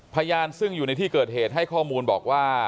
พยานซึ่งอยู่ในที่เกิดเหตุให้ข้อมูลบอกว่า